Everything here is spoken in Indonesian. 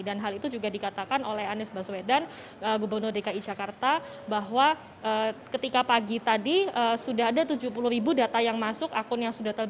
dan hal itu juga dikatakan oleh anies baswedan gubernur dki jakarta bahwa ketika pagi tadi sudah ada tujuh puluh data yang masuk akun yang sudah terbuat